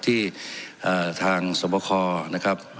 ที่ทางสวบคอนะครับ